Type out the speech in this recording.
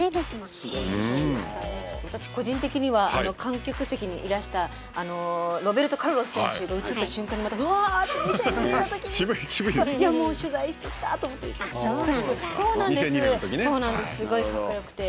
私、個人的には観客席にいらしたロベルト・カルロス選手が映った瞬間にまた、うわって２００２年の時に取材してきたと思って懐かしくて。